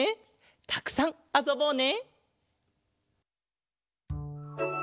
たくさんあそぼうね。